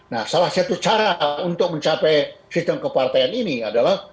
nah salah satu cara untuk mencapai sistem kepartaian ini adalah